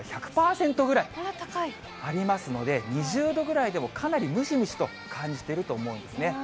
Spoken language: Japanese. ありますので、２０度ぐらいでも、かなりムシムシと感じていると思うんですね。